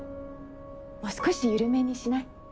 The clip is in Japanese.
もう少し緩めにしない？